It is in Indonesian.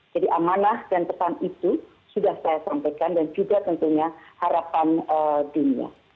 jadi amanah dan pesan itu sudah saya sampaikan dan juga tentunya harapan dunia